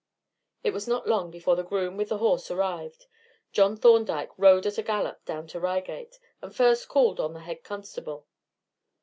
It was not long before the groom with the horse arrived. John Thorndyke rode at a gallop down to Reigate, and first called on the head constable.